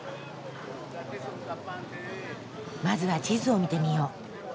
まずは地図を見てみよう。